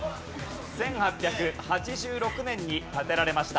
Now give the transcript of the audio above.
１８８６年に建てられました。